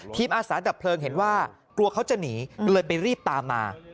อาสาดับเพลิงเห็นว่ากลัวเขาจะหนีเลยไปรีบตามมา